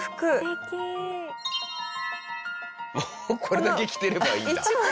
これだけ着てればいいんだ。